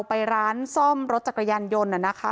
ไปร้านซ่อมรถจักรยานยนต์